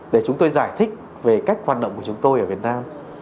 để chúng tôi giải thích về cách hoạt động của chúng tôi ở việt nam